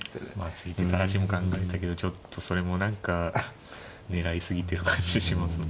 突いて垂らしも考えたけどちょっとそれも何か狙い過ぎてる感じはしますもんね。